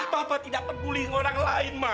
papa tidak peduli sama orang lain ma